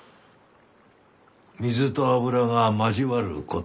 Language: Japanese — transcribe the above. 水と油が交わることはない。